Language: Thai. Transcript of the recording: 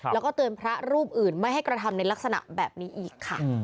แล้วก็เตือนพระรูปอื่นไม่ให้กระทำในลักษณะแบบนี้อีกค่ะ